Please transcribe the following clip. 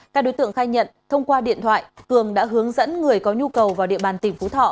các đối tượng khai nhận thông qua điện thoại cường đã hướng dẫn người có nhu cầu vào địa bàn tỉnh phú thọ